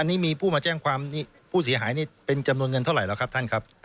อันนี้มีผู้มาแจ้งความผู้เสียหายนี่เป็นจำนวนเงินเท่าไหร่แล้วครับท่านครับ